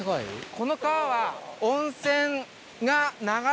この川は。